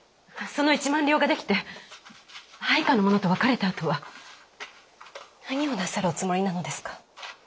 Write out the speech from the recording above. その１万両が出来て配下の者と別れたあとは何をなさるおつもりなのですか？